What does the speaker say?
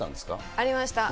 ありました。